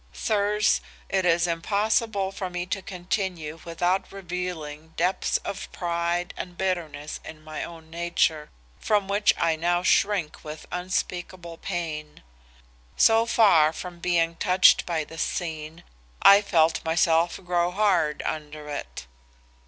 "Sirs, it is impossible for me to continue without revealing depths of pride and bitterness in my own nature, from which I now shrink with unspeakable pain. So far from being touched by this scene, I felt myself grow hard under it.